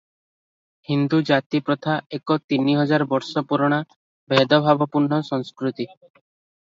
ହିନ୍ଦୁ ଜାତିପ୍ରଥା ଏକ ତିନି ହଜାର ବର୍ଷ ପୁରୁଣା ଭେଦଭାବପୂର୍ଣ୍ଣ ସଂସ୍କୃତି ।